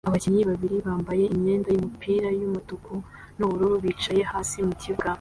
Abakinnyi babiri bambaye imyenda yumupira yumutuku nubururu bicaye hasi mukibuga